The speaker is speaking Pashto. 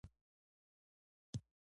په افغانستان کې کوچیان په پراخه کچه شتون لري.